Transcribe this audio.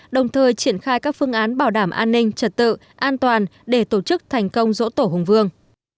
đồng thời triển khai các phương án bảo đảm an ninh trật tự an toàn để tổ chức thành công dỗ tổ hùng vương